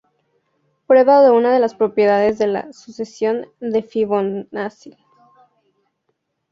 Prueba de una de las propiedades de la sucesión de Fibonacci.